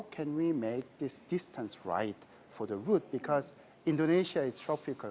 karena indonesia adalah negara tropikal